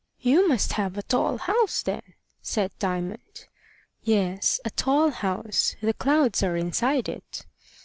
"You must have a tall house, then," said Diamond. "Yes; a tall house: the clouds are inside it."